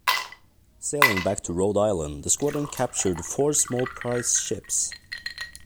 Sailing back to Rhode Island, the squadron captured four small prize ships.